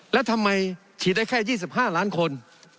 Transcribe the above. แล้วทำไมฉีดได้แค่๒๕ล้านคน